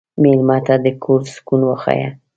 مېلمه ته د کور سکون وښیه.